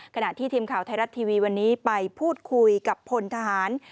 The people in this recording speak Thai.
ขณะที่ทีมข่าวไทยรัฐทีวีวันนี้ไปพูดคุยกับพลทหาร